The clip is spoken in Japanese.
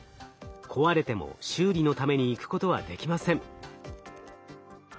壊れても修理のために行くことはできません。